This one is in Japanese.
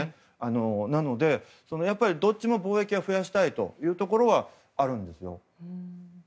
なので、やっぱりどっちも貿易は増やしたいというところはあるんですよ。